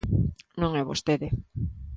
Non é vostede.